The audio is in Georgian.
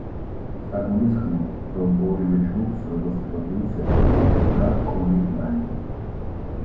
საგულისხმოა, რომ ორივე ჯგუფს როგორც პროდიუსერი კურირებდა კონი პლანკი.